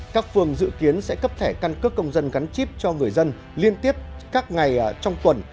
các phương dự kiến sẽ cấp thẻ căn cước công dân gắn chip cho người dân liên tiếp các ngày trong tuần